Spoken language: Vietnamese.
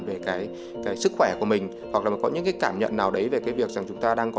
về sức khỏe của mình hoặc là có những cảm nhận nào đấy về việc chúng ta đang có